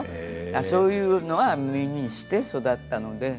そういうのを耳にして育ったので。